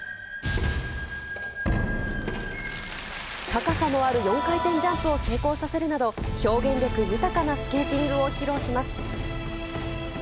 高さのある４回転ジャンプを成功させるなど、表現力豊かなスケーティングを披露します。